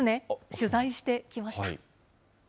取材してきました。